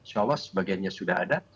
seolah olah sebagiannya sudah ada